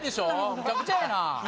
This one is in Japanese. めちゃくちゃやな。